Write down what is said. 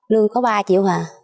lương có ba triệu hả